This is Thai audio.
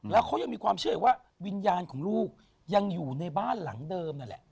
แล้วเขายังมีความเชื่ออีกว่าวิญญาณของลูกยังอยู่ในบ้านหลังเดิมนั่นแหละ